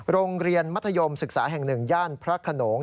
โรงเรียนมัธยมศึกษาแห่ง๑ย่านพระขนง